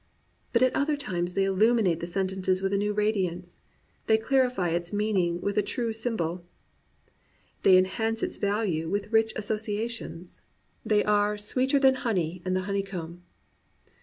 But at other times they illuminate the sentence with a new radiance; they clarify its meaning with a true sym bol; they enhance its value with rich associations; 23 COMPANIONABLE BOOKS they are "sweeter than honey and the honey comb."